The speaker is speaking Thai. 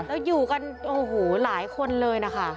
แล้วอยู่กันหลายคนเลยนะคะ